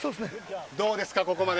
どうですかここまで。